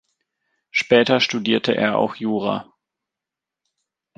Später studierte er auch Jura.